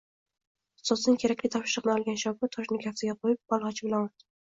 Ustozidan kerakli topshiriqni olgan shogird toshni kaftiga qoʻyib, bolgʻacha bilan urdi